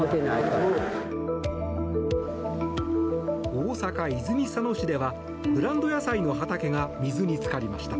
大阪・泉佐野市ではブランド野菜の畑が水に浸かりました。